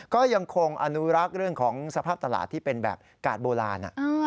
ก็ยังคงอนุรักษ์เรื่องของสภาพตลาดที่เป็นแบบกาดโบราณ